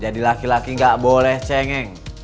jadi laki laki gak boleh cengeng